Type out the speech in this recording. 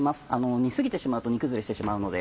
煮過ぎてしまうと煮崩れしてしまうので。